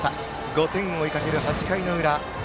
５点を追いかける８回の裏。